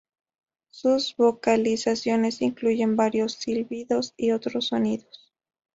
Sus vocalizaciones incluyen varios silbidos y otros sonidos.